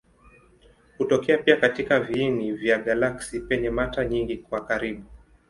Hutokea pia katika viini vya galaksi penye mata nyingi kwa karibu.